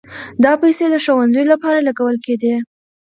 دا پيسې د ښوونځيو لپاره لګول کېدې.